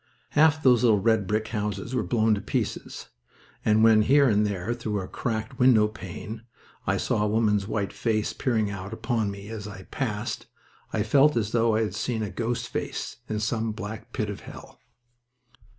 Half those little red brick houses were blown to pieces, and when here and there through a cracked window pane I saw a woman's white face peering out upon me as I passed I felt as though I had seen a ghost face in some black pit of hell.